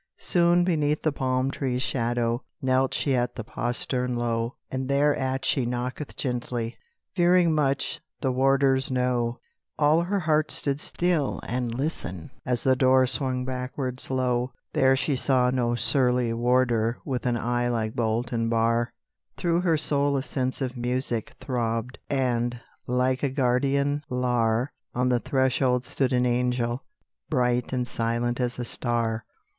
Soon, beneath the palm tree's shadow, Knelt she at the postern low; And thereat she knocketh gently, Fearing much the warder's no; All her heart stood still and listened, As the door swung backward slow. There she saw no surly warder With an eye like bolt and bar; Through her soul a sense of music Throbbed, and, like a guardian Lar, On the threshold stood an angel, Bright and silent as a star.